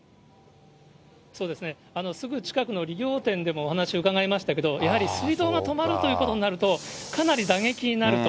そうですね、すぐ近くの理容店でもお話を伺いましたけれども、やはり水道が止まるということになると、かなり打撃になると。